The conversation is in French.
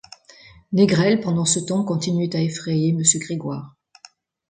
Négrel, pendant ce temps, continuait à effrayer Monsieur Grégoire.